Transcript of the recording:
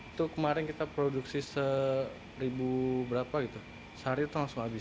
itu kemarin kita produksi seribu berapa gitu sehari itu langsung habis